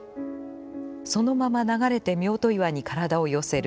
そのまま流れてミョート岩に身体を寄せる。